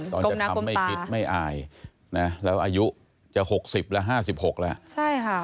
กลมนากลมปลา